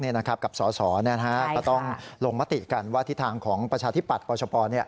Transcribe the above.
กับสอนะครับเราต้องลงมะติกันว่าทิศทางของประชาธิบัติกวาชปอล